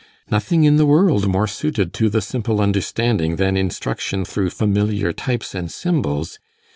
Nothing in the world more suited to the simple understanding than instruction through familiar types and symbols!